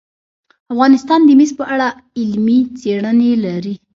افغانستان د مس په اړه علمي څېړنې لري.